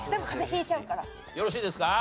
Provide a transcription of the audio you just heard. よろしいですか？